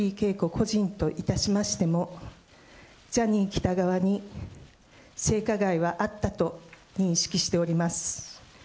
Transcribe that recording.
個人といたしましても、ジャニー喜多川に性加害はあったと認識しております。